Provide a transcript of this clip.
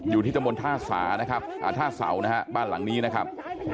อยู่ที่ตะมนต์ท่าสานะครับท่าเสานะฮะบ้านหลังนี้นะครับ